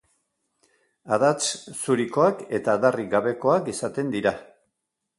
Adats zurikoak eta adarrik gabekoak izaten dira.